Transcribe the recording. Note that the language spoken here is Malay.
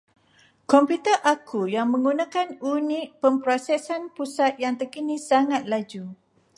Komputer aku yang menggunakan unit pemprosesan pusat yang terkini sangat laju.